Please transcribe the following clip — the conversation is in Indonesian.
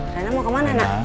rena mau kemana